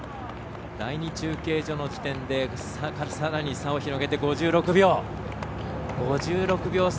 第２中継所の時点でさらに差を広げて５６秒差